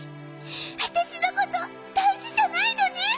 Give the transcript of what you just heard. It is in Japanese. わたしのことだいじじゃないのね！